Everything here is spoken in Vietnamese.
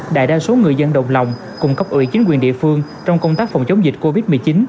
đại đa số người dân đồng lòng cùng cấp ủy chính quyền địa phương trong công tác phòng chống dịch covid một mươi chín